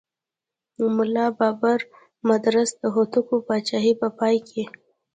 ملا بابړ مدرس د هوتکو پاچاهۍ په پای کې.